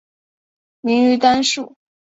明于丹术。